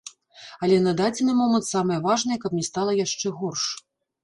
Але на дадзены момант самае важнае, каб не стала яшчэ горш.